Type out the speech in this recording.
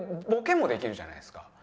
ボケもできるじゃないですか。